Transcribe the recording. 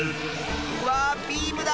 うわあビームだ！